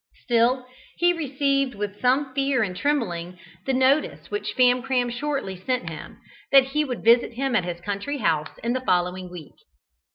Still, he received with some fear and trembling the notice which Famcram shortly sent him, that he would visit him at his country house in the following week.